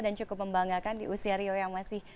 dan cukup membanggakan di usia rio yang masih